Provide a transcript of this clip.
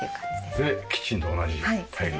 キッチンと同じタイル。